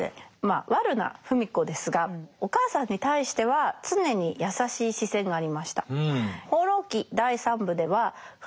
悪な芙美子ですがお母さんに対しては常に優しい視線がありました。